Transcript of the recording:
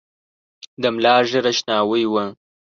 د ملا ږیره شناوۍ وه .